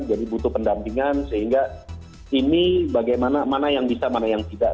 jadi butuh pendampingan sehingga ini bagaimana mana yang bisa mana yang tidak